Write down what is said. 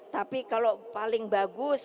tapi kalau paling bagus